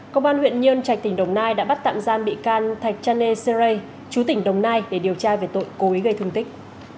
công an huyện nhơn trạch tỉnh đồng nai đã bắt tạm gian bị can thạch chanê sê rê chú tỉnh đồng nai để điều tra về tội cố ý gây thương tích